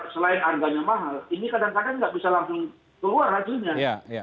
selain harganya mahal ini kadang kadang nggak bisa langsung keluar hasilnya